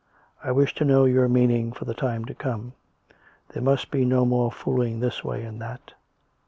I wish to know your meaning for the time to come. There must be no more fooling this way and that.